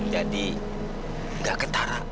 jadi gak ketara